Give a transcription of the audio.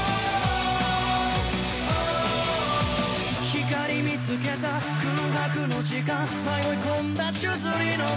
「光見つけた空白の時間」「迷い込んだ宙吊りの世界」